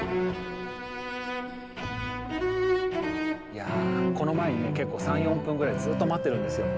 いやこの前にね結構３４分ぐらいずっと待ってるんですよ。